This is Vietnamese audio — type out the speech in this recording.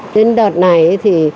đến đợt này thì